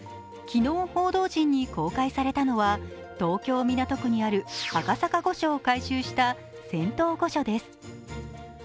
昨日、報道陣に公開されたのは東京・港区にある赤坂御所を改修した仙洞御所です。